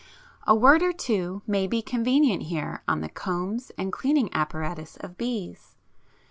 A word or two may be convenient here on the combs and cleaning apparatus of bees.